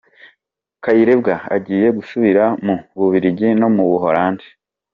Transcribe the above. Kayirebwa agiye gusubira mu Bubiligi no mu Buholandi